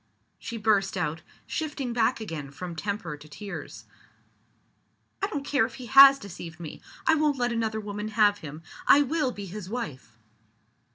she burst out, shifting back again from temper to tears. "I don't care if he has deceived me. I won't let another woman have him! I will be his wife!"